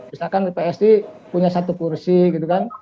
misalkan psi punya satu kursi gitu kan